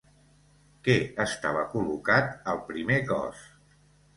Què estava col·locat al primer cós?